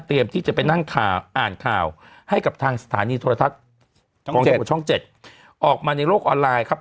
เตรียมที่จะไปนั่งข่าวอ่านข่าวให้กับทางสถานีโทรทัศน์ช่องเจ็ดช่องเจ็ดออกมาในโลกออนไลน์ครับ